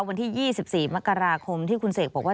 วันที่๒๔มกราคมที่คุณเสกบอกว่า